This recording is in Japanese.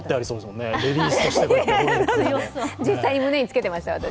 実際に胸につけていました、私。